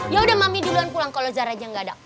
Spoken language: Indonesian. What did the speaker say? ya udah mami duluan pulang kalau zar aja gak ada